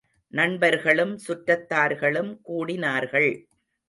நண்பர்களும் சுற்றத்தார்களும் கூடினார்கள்.